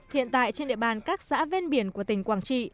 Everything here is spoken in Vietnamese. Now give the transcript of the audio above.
hiện tại trên địa bàn các xã ven biển của tỉnh quảng trị